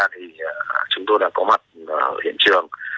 thì chúng tôi đã có mặt ở hiện trường